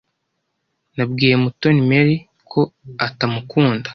Nabwiye Mutoni Mary ko atamukunda.